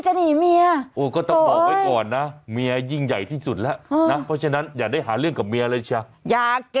แอ้งไงนึกว่าจะแน่ต้องโตเอ้ย